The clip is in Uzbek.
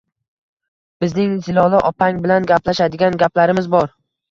Bizning Zilola opang bilan gaplashadigan gaplarimiz bor